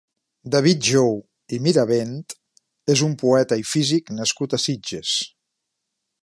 David Jou i Mirabent és un poeta i físic nascut a Sitges.